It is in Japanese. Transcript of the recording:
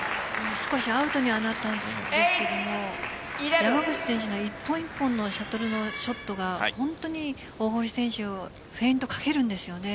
少しアウトにはなったんですが山口選手の一本一本のシャトルのショットが本当に大堀選手をフェイントかけるんですよね。